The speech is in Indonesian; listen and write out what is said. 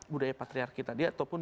budaya patriarki tadi ataupun